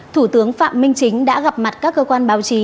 thủ tướng phạm minh chính đã gặp mặt các cơ quan báo chí